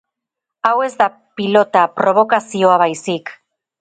Hau ez da pilota, probokazioa baizik.